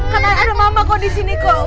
katanya ada mama kok disini kok